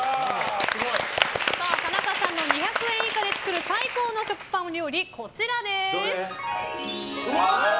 田中さんの２００円以下で作る最高の食パン料理はこちらです。